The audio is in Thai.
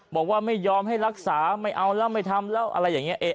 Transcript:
บอกว่าไม่ยอมให้รักษาไม่เอาแล้วไม่ทำแล้วอะไรอย่างนี้